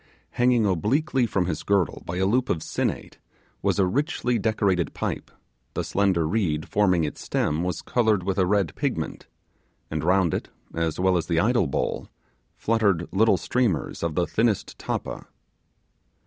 Hanging obliquely from his girdle by a loop of sinnate was a richly decorated pipe; the slender reed forming its stem was coloured with a red pigment, and round it, as well as the idol bowl, fluttered little streamers of the thinnest tappa.